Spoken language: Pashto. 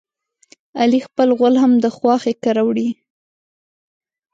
علي خپل غول هم د خواښې کره وړي.